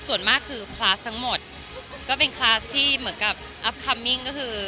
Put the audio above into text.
ส่วนมากคือคลาสทั้งหมดก็เป็นคลาสที่เหมือนกับอัพคัมมิ้งก็คือ